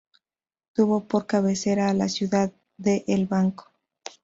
Tuvo por cabecera a la ciudad de El Banco.